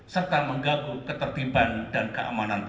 batsam dahulu garangkan kesehatan